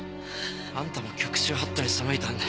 あんたも局中法度に背いたんだ。